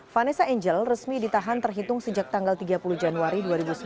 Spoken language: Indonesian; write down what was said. vanessa angel resmi ditahan terhitung sejak tanggal tiga puluh januari dua ribu sembilan belas